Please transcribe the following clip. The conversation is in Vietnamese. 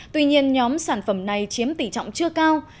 tuy nhiên nhóm sản phẩm này chiếm tỷ trọng chưa cao